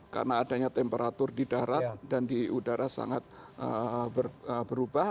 karena adanya temperatur di darat dan di udara sangat berubah